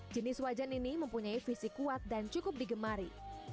jenis wajan ini mempunyai visi kuat dan cukup digemari